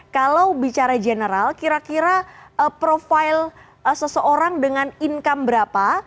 kalau bicara general kira kira profil seseorang dengan income berapa